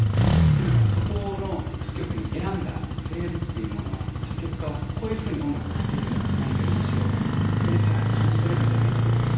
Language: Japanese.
何かそこの歌曲に選んだフレーズっていうものは作曲家はこういうふうに音楽をしているんだって何か意志をここから感じ取れるんじゃないかなって